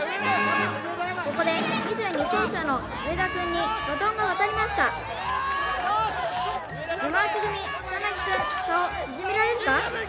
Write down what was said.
ここで２２走者の植田くんにバトンが渡りました山内組草薙くん差を縮められるか？